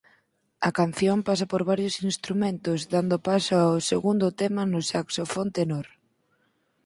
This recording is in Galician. A canción pasa por varios instrumentos dando paso ao segundo tema no saxofón tenor.